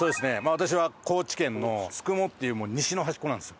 私は高知県の宿毛っていう西の端っこなんです。